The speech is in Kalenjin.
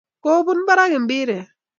Kopun barak mpiret